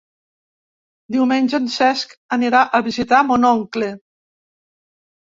Diumenge en Cesc anirà a visitar mon oncle.